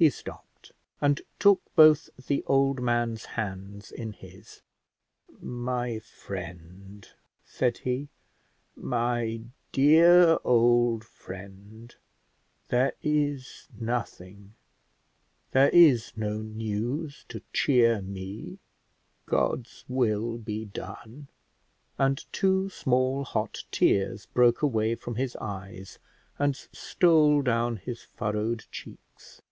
He stopped, and took both the old man's hands in his. "My friend," said he, "my dear old friend, there is nothing; there is no news to cheer me; God's will be done": and two small hot tears broke away from his eyes and stole down his furrowed cheeks.